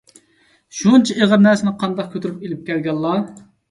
شۇنچە ئېغىر نەرسىنى قانداق كۆتۈرۈپ ئېلىپ كەلگەنلا؟